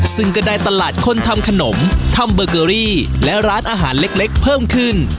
ซึ่งก็ได้ตลาดคนทำขนมทำเบอร์เกอรี่และร้านอาหารเล็กเพิ่มขึ้น